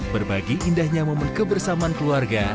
berbagi indahnya momen kebersamaan keluarga